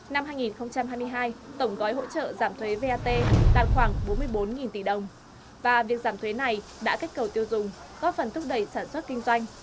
năm hai nghìn hai mươi hai tổng gói hỗ trợ giảm thuế vat đạt khoảng bốn mươi bốn tỷ đồng và việc giảm thuế này đã kích cầu tiêu dùng góp phần thúc đẩy sản xuất kinh doanh